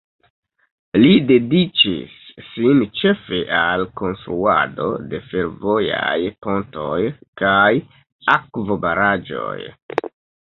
Li dediĉis sin ĉefe al konstruado de fervojaj pontoj kaj akvobaraĵoj.